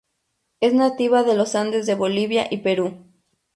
Es nativa de los Andes de Bolivia y Perú.